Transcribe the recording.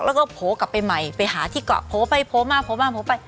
แล้วก็โผล่กลับไปใหม่ไปหาที่เกาะโผล่ไปโผล่มาโผล่มาโผล่ไป